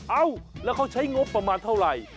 เอ้าแล้วเขาใช้งบประมาณเท่าไหร่